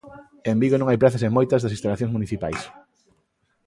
En Vigo non hai prazas en moitas das instalacións municipais.